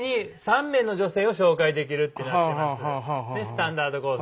スタンダードコース。